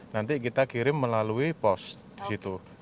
nanti kita kirim melalui pos di situ